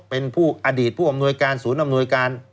เป็นผู้อดีตผู้อำนวยการศูนย์อำนวยการ